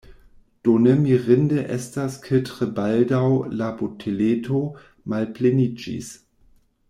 Do ne mirinde estas ke tre baldaŭ la boteleto malpleniĝis!